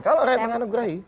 kalau rakyat mengenalgerai